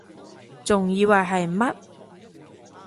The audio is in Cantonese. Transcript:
仲以為係乜????